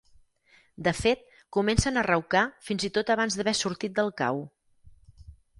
De fet, comencen a raucar fins i tot abans d'haver sortit del cau.